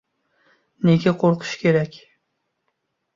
Nega qoʻrqishi kerak?